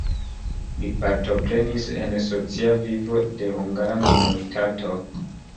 Li partoprenis en socia vivo de hungara minoritato.